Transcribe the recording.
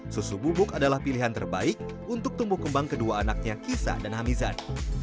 susu bubuk adalah pilihan terbaik untuk tumbuh kembang kedua anaknya kisah dan hamizan